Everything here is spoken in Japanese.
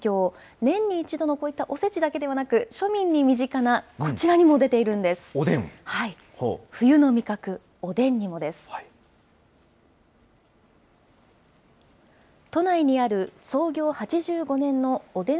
年に一度のこういったおせちだけではなく、庶民に身近なこちらにおでん。